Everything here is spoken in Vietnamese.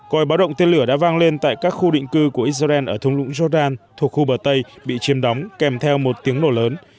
coi báo động tên lửa đã vang lên tại các khu định cư của israel ở thùng lũng jordan thuộc khu bờ tây bị chiêm đóng kèm theo một tiếng nổ lớn